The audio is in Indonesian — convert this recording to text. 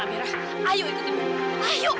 amirah ayo ikut dia